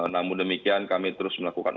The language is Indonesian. namun demikian kami terus melakukan